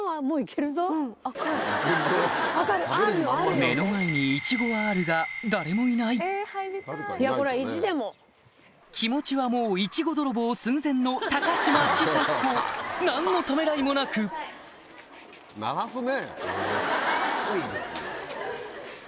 目の前に気持ちはもうイチゴ泥棒寸前の高嶋ちさ子何のためらいもなく鳴らすね。